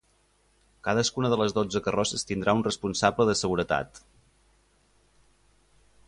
Cadascuna de les dotze carrosses tindrà un responsable de seguretat.